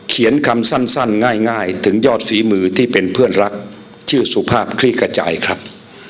เขียนคำสั้นง่ายถึงยอดฝีมือที่เป็นเพื่อนรักชื่อสุภาพคลี่ขจายครับ